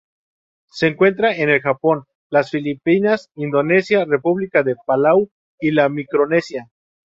Se encuentra en el Japón, las Filipinas, Indonesia, República de Palau y la Micronesia.